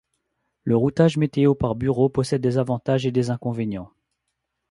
Le routage météo par bureaux possède des avantages et des inconvénients.